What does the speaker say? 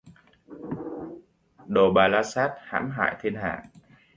Đồ bà la sát hãm hại thiên hạ